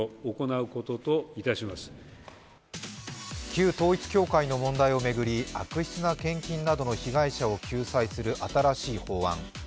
旧統一教会の問題を巡り悪質な献金などの被害者を救済する新しい法案。